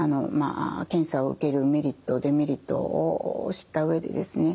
検査を受けるメリットデメリットを知った上でですね